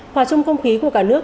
hòa chung không khí của cả nước